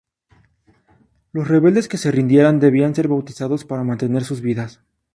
Los rebeldes que se rindieran debían ser bautizados para mantener sus vidas.